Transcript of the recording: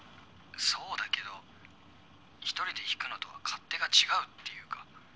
そうだけど１人で弾くのとは勝手が違うってゆか。